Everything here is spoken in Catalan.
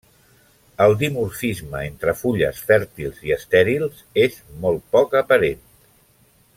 El dimorfisme entre fulles fèrtils i estèrils és molt poc aparent.